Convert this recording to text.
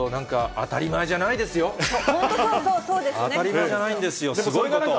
当たり前じゃないんですよ、すごいこと。